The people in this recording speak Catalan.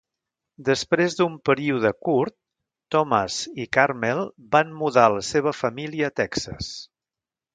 Després d'un període curt, Thomas i Carmel van mudar la seva família a Texas.